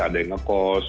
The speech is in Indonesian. ada yang ngekos